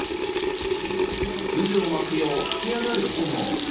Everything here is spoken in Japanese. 渦を巻くよう、噴き上がる炎。